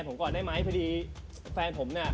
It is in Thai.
กับพอรู้ดวงชะตาของเขาแล้วนะครับ